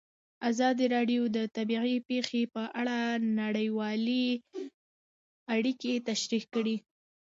ازادي راډیو د طبیعي پېښې په اړه نړیوالې اړیکې تشریح کړي.